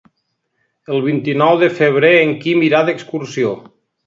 El vint-i-nou de febrer en Quim irà d'excursió.